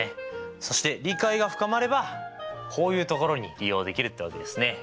そして理解が深まればこういうところに利用できるってわけですね。